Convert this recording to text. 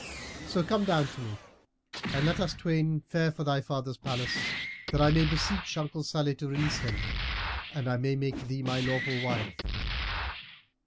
So come down to me and let us twain fare for thy father's palace, that I may beseech uncle Salih to release him and I may make thee my lawful wife."